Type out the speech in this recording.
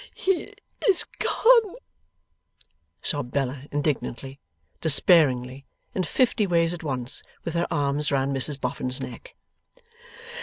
'He is gone,' sobbed Bella indignantly, despairingly, in fifty ways at once, with her arms round Mrs Boffin's neck.